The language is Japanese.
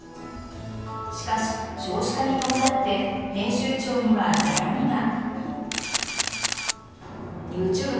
しかし、少子化に伴って編集長には悩みが。